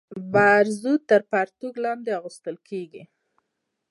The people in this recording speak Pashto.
برزو تر پرتوګ لاندي اغوستل کيږي.